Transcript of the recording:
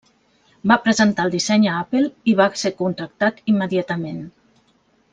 Va presentar el disseny a Apple i va ser contractat immediatament.